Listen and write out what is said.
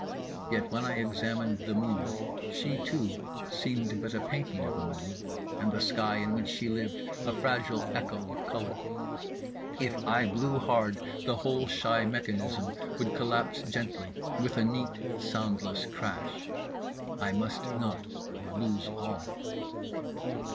—Yet when I examined the moon she too seemed but a painting of a moon and the sky in which she lived a fragile echo of colour. If I blew hard the whole shy mechanism would collapse gently with a neat soundless crash. I must not, or lose all.